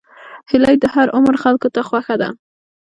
هیلۍ د هر عمر خلکو ته خوښه ده